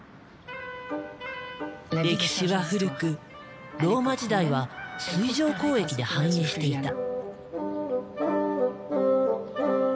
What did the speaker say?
歴史は古くローマ時代は水上交易で繁栄していた。